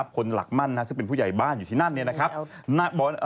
คนหลักมั่นซึ่งเป็นผู้ใหญ่บ้านอยู่ที่นั่น